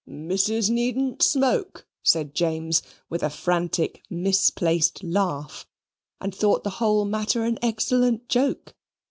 "Missis needn't smoke," said James with a frantic misplaced laugh, and thought the whole matter an excellent joke.